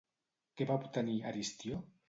Què va obtenir, Aristió?